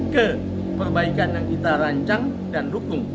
ke perbaikan yang kita rancang dan dukung